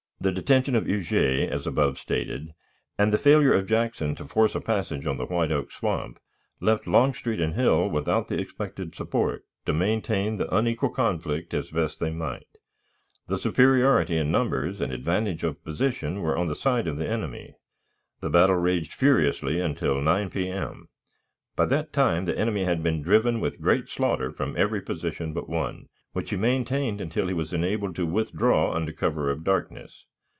The detention of Huger, as above stated, and the failure of Jackson to force a passage of the White Oak Swamp, left Longstreet and Hill, without the expected support, to maintain the unequal conflict as best they might. The superiority of numbers and advantage of position were on the side of the enemy. The battle raged furiously until 9 P.M. By that time the enemy had been driven with great slaughter from every position but one, which he maintained until he was enabled to withdraw under cover of darkness.